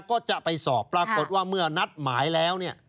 ก็จะไปสอบปรากฏมือนัดหมายแล้ว